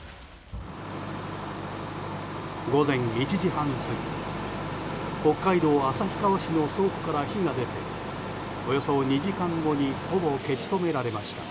午前１時半過ぎ北海道旭川市の倉庫から火が出ておよそ２時間後にほぼ消し止められました。